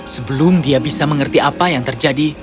sebelum dia bisa mengerti apa yang terjadi